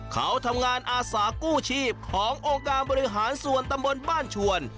เขาทำงานอาสากู้ชีพขององค์การบริหารส่วนตำบลบ้านชวน